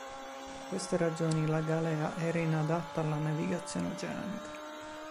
Per queste ragioni la galea era inadatta alla navigazione oceanica.